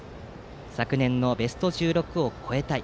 昨年のベスト１６を越えたい。